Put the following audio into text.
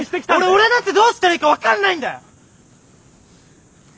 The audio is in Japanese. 俺だってどうしたらいいか分かんないんだよ！